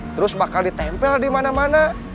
terus bakal ditempel dimana mana